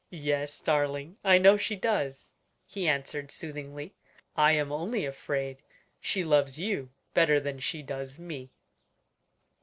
"Yes, darling, I know she does," he answered soothingly. "I am only afraid she loves you better than she does me."